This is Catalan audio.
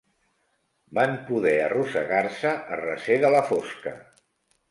Van poder arrossegar-se a recer de la fosca.